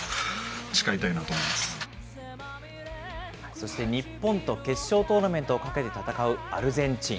そして日本と決勝トーナメントを懸けて戦うアルゼンチン。